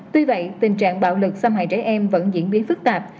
tuy vậy tình trạng bạo lực xâm hại trẻ em vẫn diễn biến phức tạp